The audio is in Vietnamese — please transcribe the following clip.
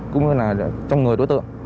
cũng như là trong người đối tượng